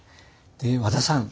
で和田さん